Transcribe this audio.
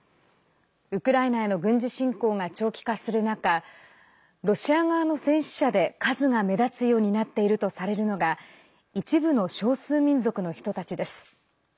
ウクライナへの軍事侵攻が長期化する中ロシア側の戦死者で数が目立つようになっているとされるのが一部の少数民族の人たちです。